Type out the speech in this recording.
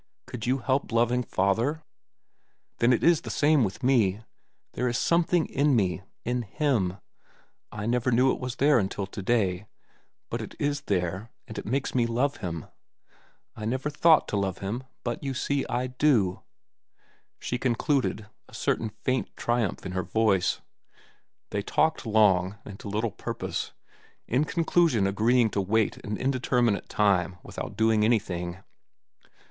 Could you help loving father? Then it is the same with me. There is something in me, in him—I never knew it was there until to day—but it is there, and it makes me love him. I never thought to love him, but, you see, I do," she concluded, a certain faint triumph in her voice. They talked long, and to little purpose, in conclusion agreeing to wait an indeterminate time without doing anything.